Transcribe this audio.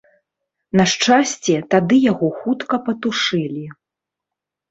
На шчасце, тады яго хутка патушылі.